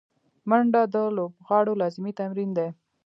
منډه د لوبغاړو لازمي تمرین دی